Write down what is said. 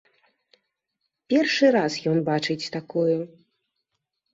Першы раз ён бачыць такую.